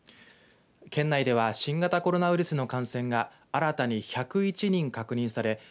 県内では新型コロナウイルスの感染が新たに１０１人確認され